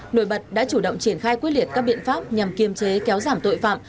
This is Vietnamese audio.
nội bật đã chủ động triển khai quyết liệt các biện pháp nhằm kiềm chế kéo giảm tội phạm